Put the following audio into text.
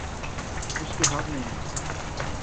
اس کے حق میں ہے۔